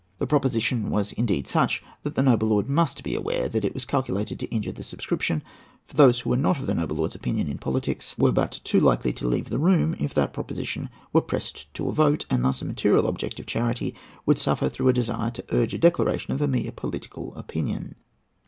The proposition was indeed such, that the noble lord must be aware that it was calculated to injure the subscription, for those who were not of the noble lord's opinion in politics were but too likely to leave the room if that proposition were pressed to a vote, and thus a material object of charity would suffer through a desire to urge a declaration of a mere political opinion.